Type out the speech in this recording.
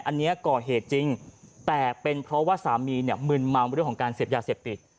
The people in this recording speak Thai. อันนี้ก่อเหตุจริงแต่เป็นเพราะว่าสามีเนี่ยมึนเมาเรื่องของการเสพยาเสพติด